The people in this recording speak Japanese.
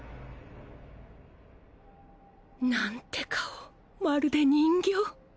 なんて顔まるで人形